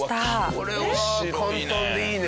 これは簡単でいいね。